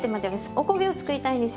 おこげを作りたいんですよ。